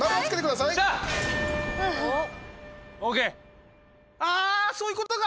あー、そういうことか！